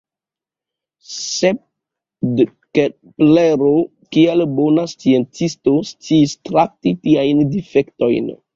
Sed Keplero, kiel bona sciencisto, sciis trakti tiajn difektojn.